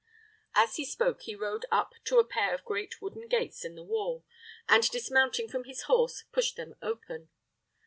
As he spoke, he rode up to a pair of great wooden gates in the wall, and dismounting from his horse, pushed them open.